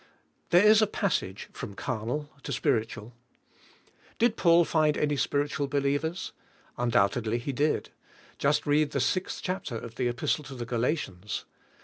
There is a passage "from carnal to spiritual." Did Paul find any spiritual believers? Undoubtedly he did. Just read the 6th chapter of the Epistle to the Galatians!